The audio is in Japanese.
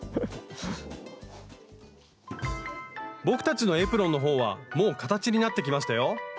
僕たちのエプロンの方はもう形になってきましたよ。